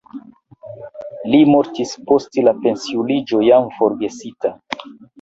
Li mortis post la pensiuliĝo jam forgesita.